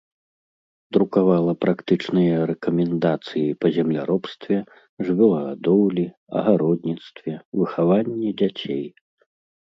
Друкавала практычныя рэкамендацыі па земляробстве, жывёлагадоўлі, агародніцтве, выхаванні дзяцей.